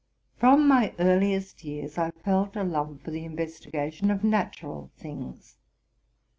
From my earliest years I felt a love for the investigation of natural things.